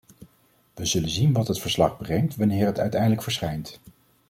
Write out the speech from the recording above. Wij zullen zien wat het verslag brengt wanneer het uiteindelijk verschijnt.